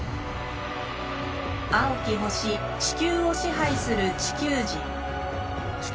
青き星地球を支配する地球人。